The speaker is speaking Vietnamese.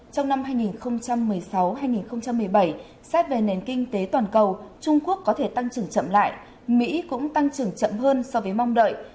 trong năm hai nghìn một mươi sáu hai nghìn một mươi bảy xét về nền kinh tế toàn cầu trung quốc có thể tăng trưởng chậm lại mỹ cũng tăng trưởng chậm hơn so với mong đợi